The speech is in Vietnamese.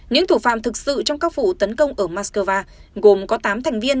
những thủ phạm thực sự trong các vụ tấn công ở moscow gồm có tám thành viên